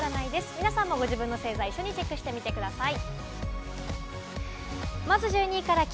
皆さんもご自分の星座を一緒にチェックしてみてください。